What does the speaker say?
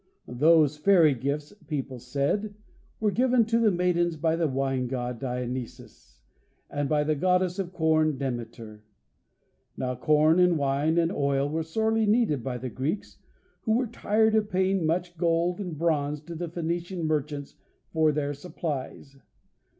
Those fairy gifts, people said, were given to the maidens by the Wine God, Dionysus, and by the Goddess of Corn, Demeter. Now corn, and wine, and oil were sorely needed by the Greeks, who were tired of paying much gold and bronze to the Phoenician merchants for their supplies.